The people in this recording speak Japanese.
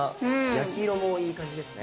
焼き色もいい感じですね。